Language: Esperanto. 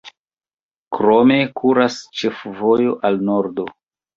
Krome kuras ĉefvojo al nordo.